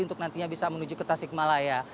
untuk nantinya bisa menuju ke tasik malaya